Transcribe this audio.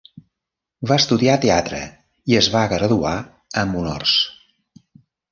Va estudiar teatre i es va graduar amb honors.